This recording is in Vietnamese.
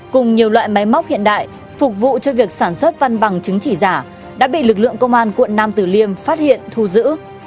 cùng nhiều loại máy móc hiện đại phục vụ cho việc sản xuất văn bằng chứng chỉ giả đã bị lực lượng công an quận nam tử liêm phát hiện thu giữ